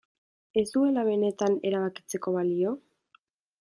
Ez duela benetan erabakitzeko balio?